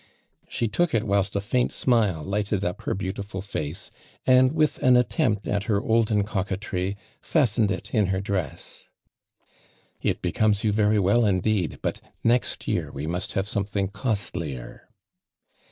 She took it whilst a faint smile lighted up her beautiful f\ice, and with an attempt at her olden coquetry, fastened it in her dress. " It becomes jou very well indeed, but next year we must have something cost lier.'